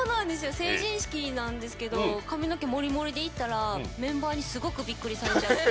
成人式なんですけど髪の毛を盛り盛りで行ったらメンバーにびっくりされちゃって。